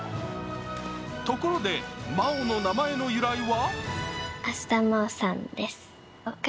ところで、麻央の名前の由来は？